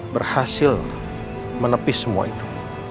berhasil menepis semua itu